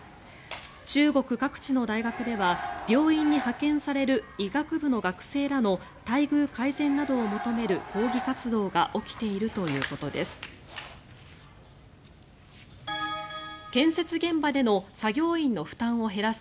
中国各地の大学では病院に派遣される医学部の学生らの待遇改善などを求める抗議活動が起きているということです。